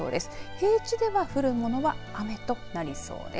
平地では降るものは雨となりそうです。